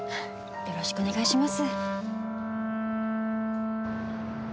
よろしくお願いします。